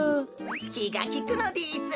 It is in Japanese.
きがきくのです。